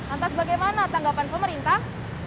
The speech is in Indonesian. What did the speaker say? antas bagaimana tanggapan pemerintah